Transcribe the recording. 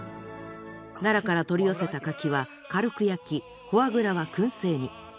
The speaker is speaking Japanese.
奈良から取り寄せた柿は軽く焼きフォアグラは燻製に。